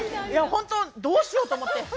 ホント、どうしようと思って。